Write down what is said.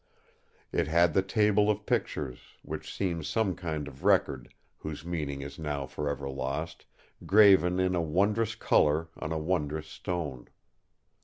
It had the table of pictures, which seems some kind of record—whose meaning is now for ever lost—graven in a wondrous colour on a wondrous stone.